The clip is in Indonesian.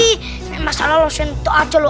ini masalah lotion itu aja loh